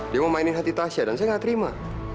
dia mau mainin hati tasya dan saya gak terima